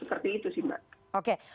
seperti itu sih mbak